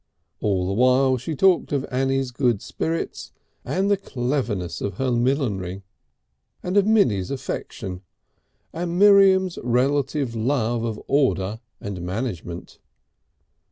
All the while she talked of Annie's good spirits and cleverness with her millinery, and of Minnie's affection and Miriam's relative love of order and management.